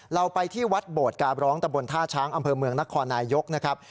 เราไปที่วัดโบดกาบร้องตะบนท่าช้างอำเภอเมืองนครนายยกนะครับ